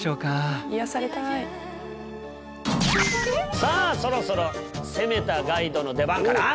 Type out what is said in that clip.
さあそろそろ攻めたガイドの出番かな。